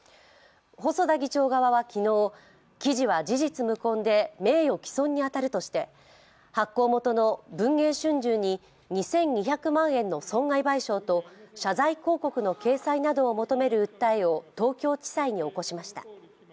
細田議長側は昨日、記事は事実無根で名誉毀損に当たるとして発行元の文藝春秋に２２００万円の損害賠償と謝罪広告の掲載などを求める訴えを東京地裁に起こしました。